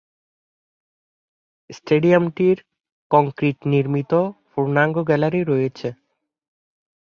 স্টেডিয়ামটির concrete নির্মিত পূর্নাঙ্গ gallery রয়েছে।